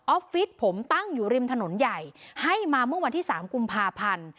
ฟิศผมตั้งอยู่ริมถนนใหญ่ให้มาเมื่อวันที่๓กุมภาพันธ์